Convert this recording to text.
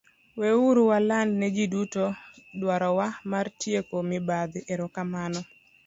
Weuru waland ne ji duto dwarowa mar tieko mibadhi, erokamano.